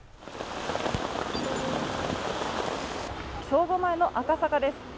正午前の赤坂です。